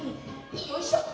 よいしょ！」